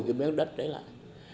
cái miếng đất đấy lại